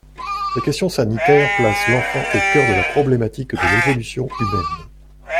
Les questions sanitaires placent l’enfant au cœur de la problématique de l’évolution humaine.